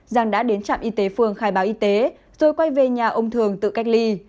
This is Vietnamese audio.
giang đã đến trạm y tế phường khai báo y tế rồi quay về nhà ông thường tự cách ly